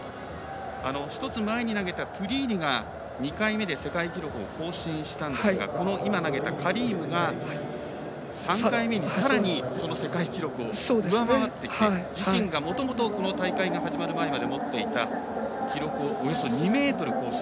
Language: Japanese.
１つ前に投げたトゥリーリが２回目で世界記録を更新したんですが今投げたカリームが３回目にさらに、その世界記録を上回ってきて自身がもともとこの大会が始まるまで持っていた記録をおよそ２ｍ更新。